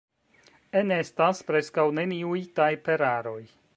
Enestas preskaŭ neniuj tajperaroj.